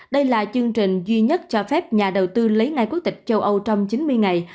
đây là chương trình duy nhất cho phép nhà đầu tư lấy ngay quốc tịch châu âu trong chín mươi ngày